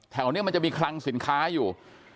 แถวนี้มันจะมีคลังสินค้าอยู่